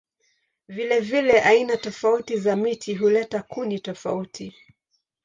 Vilevile aina tofauti za miti huleta kuni tofauti.